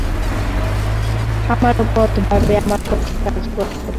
আমার পথও আমার ভাবে আমার পক্ষে কার্যকর পথ।